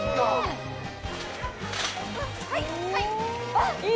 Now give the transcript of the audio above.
はい、はい！